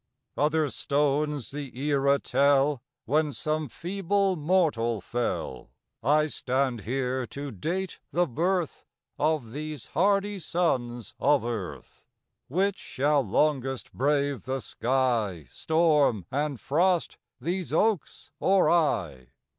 Other stones the era tell When some feeble mortal fell; I stand here to date the birth Of these hardy sons of earth. Which shall longest brave the sky, Storm and frost these oaks or I?